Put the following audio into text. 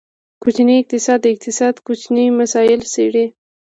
کوچنی اقتصاد، د اقتصاد کوچني مسایل څیړي.